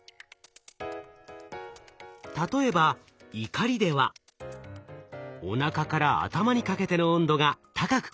例えば「怒り」ではおなかから頭にかけての温度が高く感じられています。